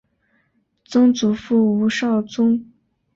曾祖父吴绍宗。